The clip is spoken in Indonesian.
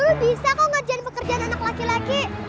lu bisa kok ngerjain pekerjaan anak laki laki